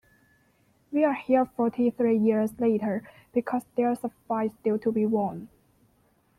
We're here forty-three years later because there's a fight still to be won.